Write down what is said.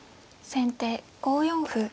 先手５四歩。